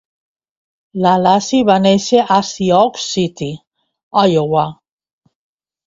La Lacy va néixer a Sioux City, Iowa.